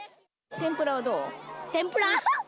天ぷら。